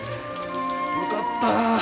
よかった。